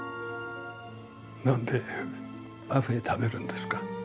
何でパフェ食べるんですか？